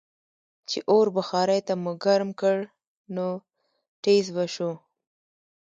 چې اور بخارۍ ته مو ګرم کړ نو ټیزززز به شو.